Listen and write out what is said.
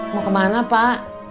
mau kemana pak